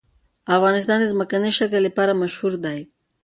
افغانستان د ځمکنی شکل لپاره مشهور دی.